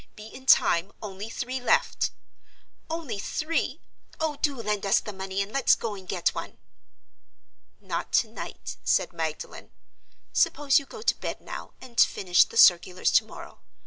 Be in time. Only three left._ Only three! Oh, do lend us the money, and let's go and get one!" "Not to night," said Magdalen. "Suppose you go to bed now, and finish the circulars tomorrow?